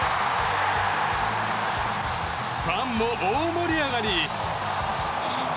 ファンも大盛り上がり！